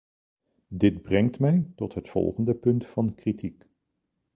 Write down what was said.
Dit brengt mij tot het volgende punt van kritiek.